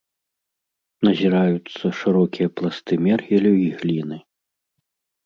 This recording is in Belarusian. Назіраюцца шырокія пласты мергелю і гліны.